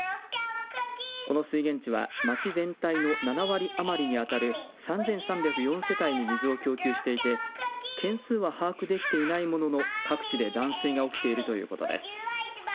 この水源地は町全体の７割余りに当たる３３０４世帯に水を供給していて件数は把握できていないものの各地で断水が起きているということです。